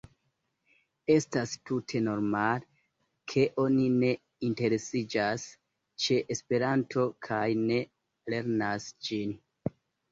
Estas tute normale, ke oni ne interesiĝas ĉe Esperanto kaj ne lernas ĝin.